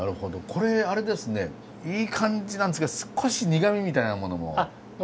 これあれですねいい感じなんですけど少し苦みみたいなものも入ってました。